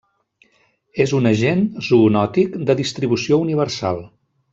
És un agent zoonòtic de distribució universal.